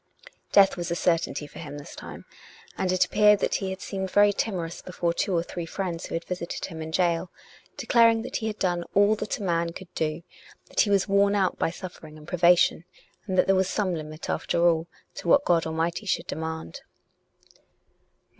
Death was a certainty for him this time, and it appeared that he had seemed very tim orous before two or three friends who had visited him in gaol, declaring that he had done all that a man could do, that he was being worn out by suffering and privation, and that there was some limit, after all, to what God Almighty should demand.